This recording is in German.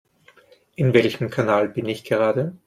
In welchem Kanal bin ich gerade?